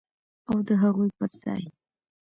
او د هغوی پر ځای